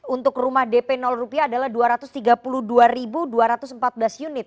untuk rumah dp rupiah adalah dua ratus tiga puluh dua dua ratus empat belas unit